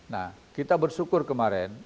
nah kita bersyukur kemarin